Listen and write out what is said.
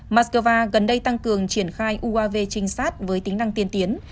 mắc cơ va gần đây tăng cường triển khai uav trinh sát với tính năng tiên tiến